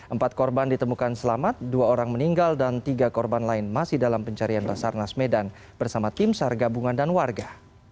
empat korban ditemukan selamat dua orang meninggal dan tiga korban lain masih dalam pencarian basarnas medan bersama tim sar gabungan dan warga